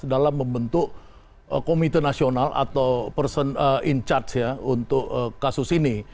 dalam membentuk komite nasional atau person in charge ya untuk kasus ini